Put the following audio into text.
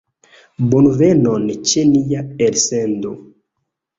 Bonvenon ĉe nia elsendo.